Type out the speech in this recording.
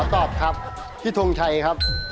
ตอบครับพี่ทงชัยครับ